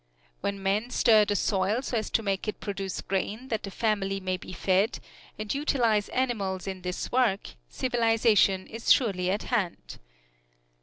When men stir the soil so as to make it produce grain that the family may be fed, and utilize animals in this work, civilization is surely at hand.